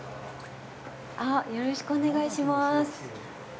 よろしくお願いします。